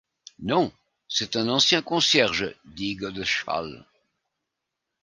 Non, c’est un ancien concierge, dit Godeschal.